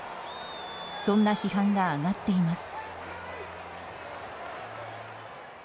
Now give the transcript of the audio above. そんな批判が上がっています。